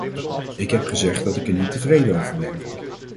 Ik heb gezegd dat ik er niet tevreden over ben.